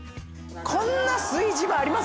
こんな炊事場あります？